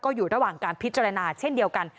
อยู่ระหว่างการพิจารณาเช่นเดียวกัน